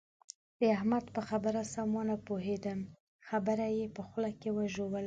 د احمد په خبره سم و نه پوهېدم؛ خبره يې په خوله کې وژوله.